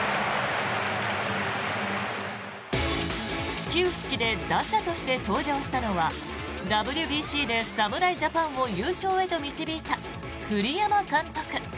始球式で打者として登場したのはＷＢＣで侍ジャパンを優勝へと導いた栗山監督。